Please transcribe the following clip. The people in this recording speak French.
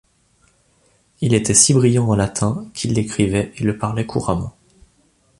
Il était si brillant en latin qu’il l’écrivait et le parlait couramment.